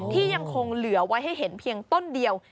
ที่ยังคงเหลือไว้ให้เห็นเพียงต้นเดียว